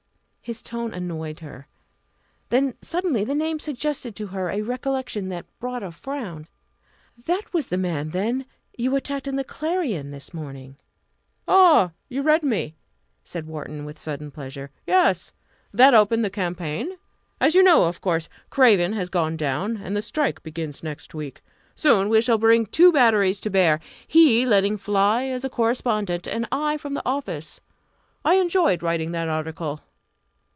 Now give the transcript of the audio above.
His tone annoyed her. Then suddenly the name suggested to her a recollection that brought a frown. "That was the man, then, you attacked in the Clarion this morning!" "Ah! you read me!" said Wharton, with sudden pleasure. "Yes that opened the campaign. As you know, of course, Craven has gone down, and the strike begins next week. Soon we shall bring two batteries to bear, he letting fly as correspondent, and I from the office. I enjoyed writing that article."